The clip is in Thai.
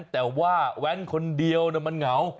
แต่ว่าแว้นคนเดียวมันเหงา